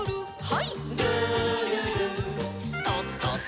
はい。